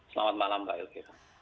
selamat malam mbak ilkir